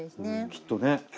きっとね。